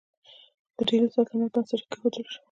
د ډیلي سلطنت بنسټ کیښودل شو.